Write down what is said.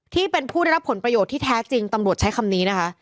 ที่เป็นผู้ได้รับผลประโยชน์ที่แท้จริงตำรวจใช้คำนี้นะคะ